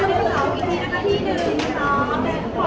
ขอบคุณหนึ่งนะคะขอบคุณหนึ่งนะคะ